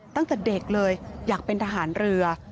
ตั้งแต่เด็กเลยอยากเป็นทหารเรือ